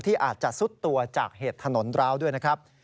อาจจะซุดตัวจากเหตุถนนร้าวด้วยนะครับ